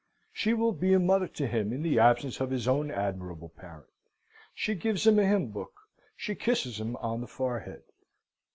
She will be a mother to him in the absence of his own admirable parent. She gives him a hymn book. She kisses him on the forehead.